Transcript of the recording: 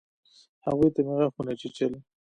هغوى ته مې غاښونه چيچل.